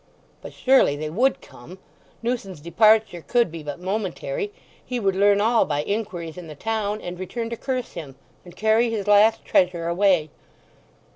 But surely they would come; Newson's departure could be but momentary; he would learn all by inquiries in the town; and return to curse him, and carry his last treasure away!